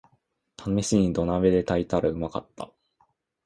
ためしに土鍋で炊いたらうまかった